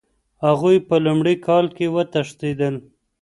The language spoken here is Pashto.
هغوی په لومړي کال کې وتښتېدل.